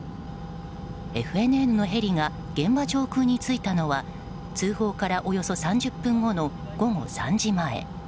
ＦＮＮのヘリが現場上空に着いたのは通報からおよそ３０分後の午後３時前。